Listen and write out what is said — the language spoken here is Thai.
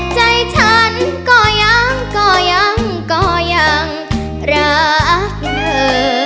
ใจฉันก็ยังก็ยังก็ยังรักเธอ